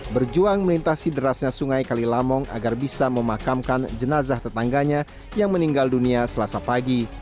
berjuang melintasi derasnya sungai kalilamong agar bisa memakamkan jenazah tetangganya yang meninggal dunia selasa pagi